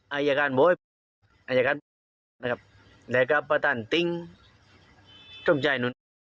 อายการโบ๊ยอายการนะครับและกับประตานติ้งทรงใจนุน